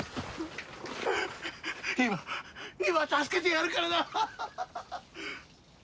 今今助けてやるからな！